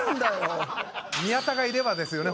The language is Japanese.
宮田がいればですよね